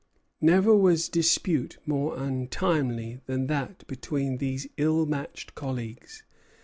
Never was dispute more untimely than that between these ill matched colleagues.